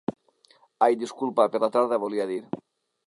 Ai disculpa, per la tarda volia dir.